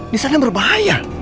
di sana berbahaya